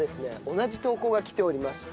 同じ投稿が来ておりました。